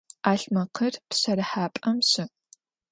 'alhmekhır pşerıhap'em şı'.